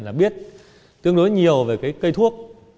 là biết tương đối nhiều về cây thuốc